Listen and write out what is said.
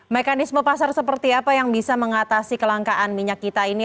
mekanisme pasar seperti apa yang bisa mengatasi kelangkaan minyak kita ini